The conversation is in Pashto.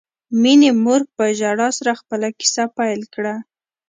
مينې مور په ژړا سره خپله کیسه پیل کړه